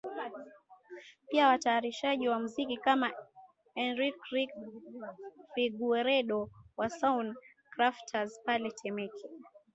Pia watayarishaji wa muziki kama Enrique Rick Figueredo wa Sound Crafters pale Temeke